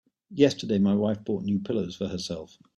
Yesterday my wife bought new pillows for herself.